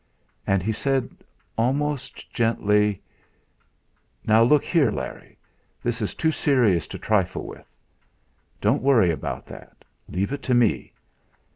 And he said, almost gently "Now, look here, Larry; this is too serious to trifle with. Don't worry about that. Leave it to me.